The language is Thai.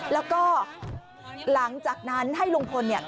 แล้วก็หลังจากนั้นให้ลุงพลเนี่ย